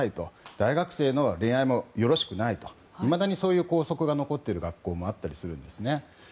大学生の恋愛はよろしくないといまだにそういう校則が残っている学校もあったりするんです。